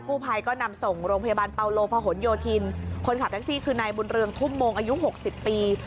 ผู้ภัยก็นำส่งโรงพยาบาลเปาโลพหนโยธินคนขับแท็กซี่คือนายบุญเรืองทุ่มมงอายุหกสิบปี